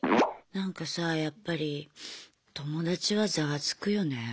なんかさぁやっぱり友達はざわつくよね。